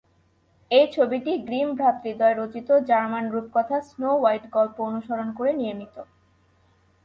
এই ছবিটি গ্রিম ভ্রাতৃদ্বয় রচিত জার্মান রূপকথা স্নো হোয়াইট গল্প অনুসরণ করে নির্মিত।